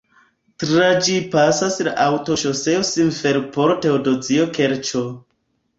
Tra ĝi pasas la aŭtoŝoseo Simferopolo-Teodozio-Kerĉo.